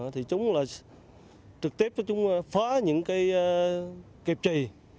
thì chúng là trực tiếp chúng phá những cái kẹp chi